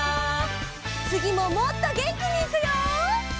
つぎももっとげんきにいくよ！